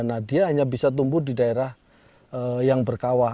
nah dia hanya bisa tumbuh di daerah yang berkawah